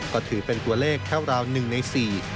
ก็ถือเป็นตัวเลขแค่ราว๑ใน๔